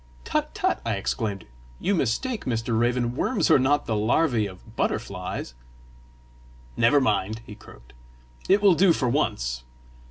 "Tut! tut!" I exclaimed; "you mistake, Mr. Raven: worms are not the larvæ of butterflies!" "Never mind," he croaked; "it will do for once!